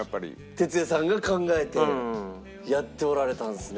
鉄矢さんが考えてやっておられたんですね。